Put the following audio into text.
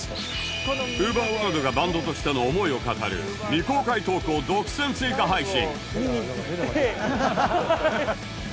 ＵＶＥＲｗｏｒｌｄ がバンドとしての思いを語る未公開トークを独占追加配信